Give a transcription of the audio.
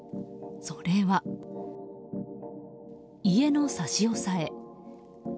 それは、家の差し押さえ。